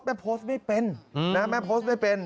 โพสต์ไม่เป็นนะแม่โพสต์ไม่เป็น